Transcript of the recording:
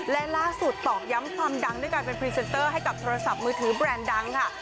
และล่าสุดตอกย้ำความดังด้วยการเป็นพรีเซนเตอร์ให้กับโทรศัพท์มือถือแบรนด์ดังค่ะ